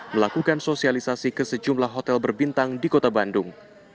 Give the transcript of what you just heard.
melakukan sosialisasi ke sejumlah hotel berbintang di kota bandung